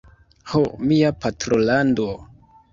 Ho, mia patrolando!